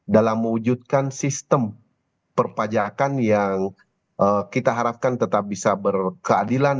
dalam mewujudkan sistem perpajakan yang kita harapkan tetap bisa berkeadilan